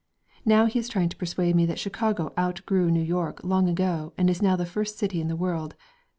Now he is trying to persuade me that Chicago outgrew New York long ago and is now the first city in the world.